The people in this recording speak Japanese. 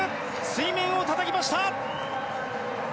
水面をたたきました。